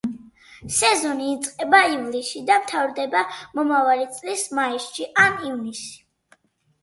სეზონი იწყება ივლისში და მთავრდება მომავალი წლის მაისში, ან ივნისში.